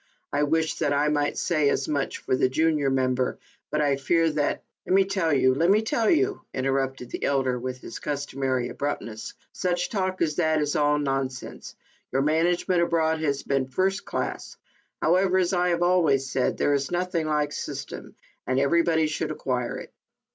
I wish that I might say as much for the junior member, but I fear that —"" Le' me tell you, le' me tell you," interrupted the elder with his customary abruptness, "such talk as that is all nonsense. Your management abroad has been first class. However, as I have always said, there is nothing like system, and everybody should acquire it."